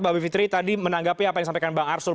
mbak fitri tadi menanggapi apa yang sampaikan bang arsul